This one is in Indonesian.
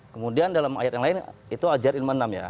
kemudian dalam ayat yang lain itu ajar ilman enam ya